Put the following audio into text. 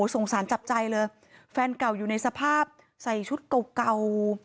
สงสารจับใจเลยแฟนเก่าอยู่ในสภาพใส่ชุดเก่า